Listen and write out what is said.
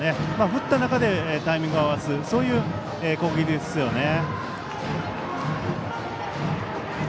振った中でタイミングを合わせるそういう攻撃ですよね。